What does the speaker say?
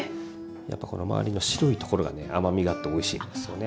やっぱこの周りの白いところがね甘みがあっておいしいんですよね。